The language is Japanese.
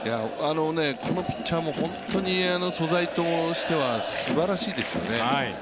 このピッチャーも本当に素材としてはすばらしいですよね